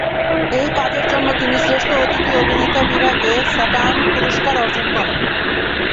এই কাজের জন্য তিনি শ্রেষ্ঠ অতিথি অভিনেতা বিভাগে স্যাটার্ন পুরস্কার অর্জন করেন।